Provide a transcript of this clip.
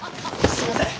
すいません。